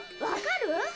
わかる？